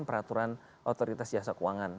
peraturan otoritas jasa keuangan